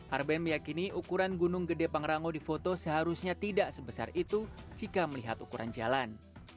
arbe meyakini ukuran gunung gede pangrango di foto seharusnya tidak sebesar itu jika melihat ukuran jalan